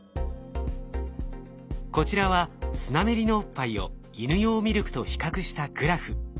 こちらはスナメリのおっぱいをイヌ用ミルクと比較したグラフ。